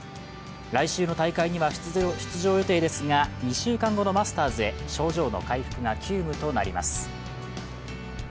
来週の大会には出場予定ですが２週間後のマスターズへ症状の回復が急務となります。